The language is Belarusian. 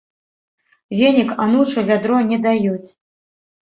Венік, анучу, вядро не даюць!